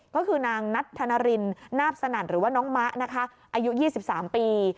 ก็คือนางนัทธนรินนาบสนั่นหรือว่าน้องมะนะคะอายุ๒๓ปี